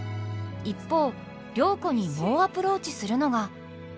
一方良子に猛アプローチするのが。